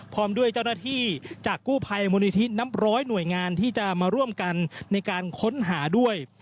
พร้อมด้วยเจ้าหน้าที่จากกู้ภัยมูลนิธินับร้อยหน่วยงานที่จะมาร่วมกันในการค้นหาด้วย